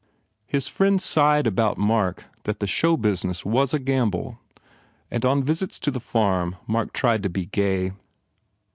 His friends sighed about Mark that the "show by urns* was a gamble* 9 and on visits to the firm Mark tried to be gay.